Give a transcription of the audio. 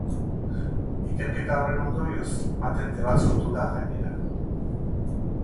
Ikerketa horren ondorioz, patente bat sortu da, gainera.